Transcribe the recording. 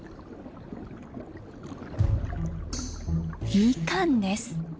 ミカンです。